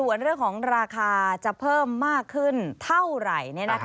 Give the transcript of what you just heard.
ส่วนเรื่องของราคาจะเพิ่มมากขึ้นเท่าไหร่